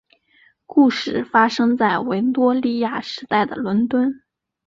故事发生在维多利亚时代的伦敦。